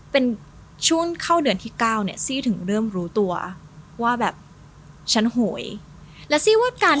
เป็นชุดเข้าเดือนที่๙ซี่ถึงเริ่มรู้ตัวว่าแบบฉันหวยและซี่ว่าการ